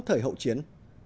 thời hậu chiến